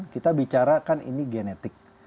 kita bicara kan ini genetik